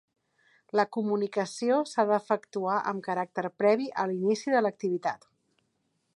La comunicació s'ha d'efectuar amb caràcter previ a l'inici de l'activitat.